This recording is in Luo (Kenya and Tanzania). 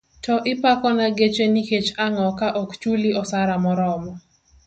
To ipako na geche nikech ango ka ok chuli osara moromo.